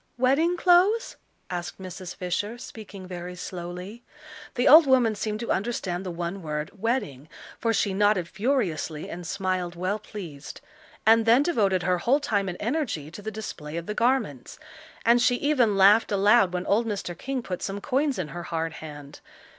"Wedding clothes?" asked Mrs. Fisher, speaking very slowly. The old woman seemed to understand the one word "wedding," for she nodded furiously and smiled well pleased; and then devoted her whole time and energy to the display of the garments. And she even laughed aloud when old Mr. King put some coins in her hard hand.